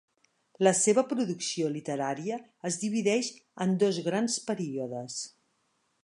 La seva producció literària es divideix en dos grans períodes.